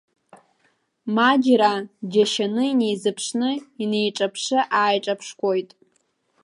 Маџьраа дџьашьаны инеизыԥшны, инеиҿаԥшы-ааиҿаԥшқәоит.